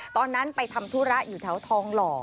ตอนนั้นไปทำธุระอยู่แถวทองหล่อ